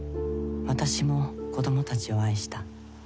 私も子どもたちを愛した。